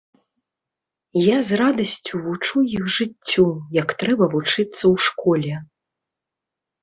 Я з радасцю вучу іх жыццю, як трэба вучыцца ў школе.